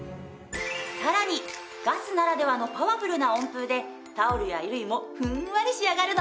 さらにガスならではのパワフルな温風でタオルや衣類もふんわり仕上がるの！